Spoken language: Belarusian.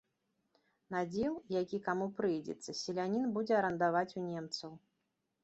Надзел, які каму прыйдзецца, селянін будзе арандаваць у немцаў.